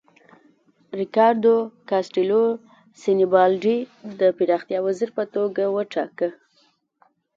ریکاردو کاسټیلو سینیبالډي د پراختیا وزیر په توګه وټاکه.